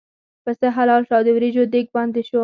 پسه حلال شو او د وریجو دېګ باندې شو.